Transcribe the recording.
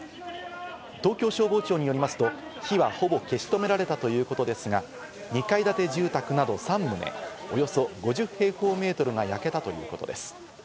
東京消防庁によりますと火はほぼ消し止められたということですが、２階建て住宅など３棟、およそ５０平方メートルが焼けたということです。